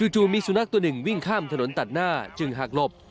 จู่มีสุนัขตัวหนึ่งวิ่งข้ามถนนตัดหน้าจึงหากหลบ